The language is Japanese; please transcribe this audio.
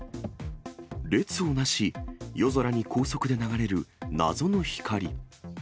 列をなし、夜空に高速に流れる謎の光。